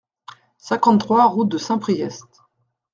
cinquante-trois route de Saint-Priest